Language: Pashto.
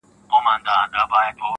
له بدانو سره ښه په دې معنا ده,